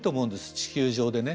地球上でね。